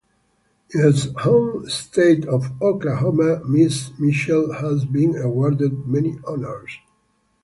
In her home state of Oklahoma, Miss Mitchell has been awarded many honors.